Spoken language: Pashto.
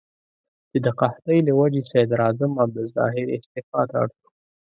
چې د قحطۍ له وجې صدراعظم عبدالظاهر استعفا ته اړ شو.